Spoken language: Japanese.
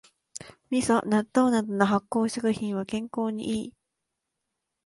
みそ、納豆などの発酵食品は健康にいい